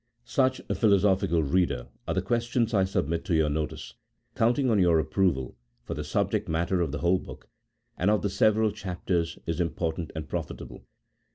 Such, Philosophical Eeader, are the questions I submit to your notice, counting on your approval, for the subject matter of the whole book and of the several chapters is im portant and profitable.